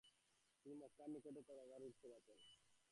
তিনি মক্কার নিকটে তার বাবার উট চরাতেন।